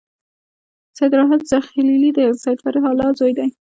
سید راحت زاخيلي د سید فریح الله زوی و.